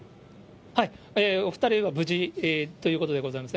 お２人は無事ということでございます。